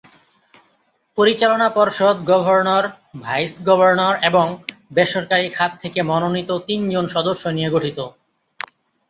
পরিচালনা পর্ষদ governor, vice governor এবং বেসরকারি খাত থেকে মনোনীত তিনজন সদস্য নিয়ে গঠিত।